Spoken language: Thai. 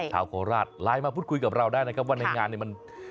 โคราชไลน์มาพูดคุยกับเราได้นะครับว่าในงานเนี่ยมัน